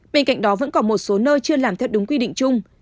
bên cạnh đó vẫn còn một số nơi chưa làm theo đúng quy định chung